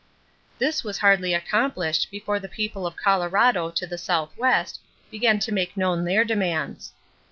This was hardly accomplished before the people of Colorado to the southwest began to make known their demands.